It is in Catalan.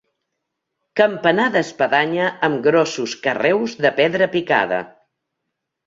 Campanar d'espadanya amb grossos carreus de pedra picada.